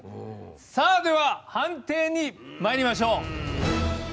さあでは判定にまいりましょう。